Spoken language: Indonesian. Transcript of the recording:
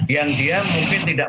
yang dia mungkin tidak